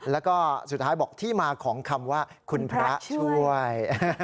แล้วก็สุดท้ายบอกที่มาของคำว่าคุณพระช่วย